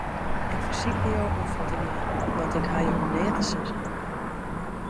Ik fersykje jo om fuort te gean, want ik haw jo neat te sizzen.